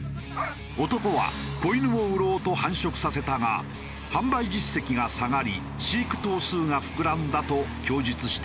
男は子犬を売ろうと繁殖させたが販売実績が下がり飼育頭数が膨らんだと供述しているという。